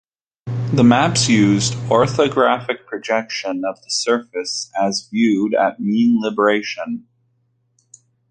The maps used orthographic projection of the surface as viewed at mean libration.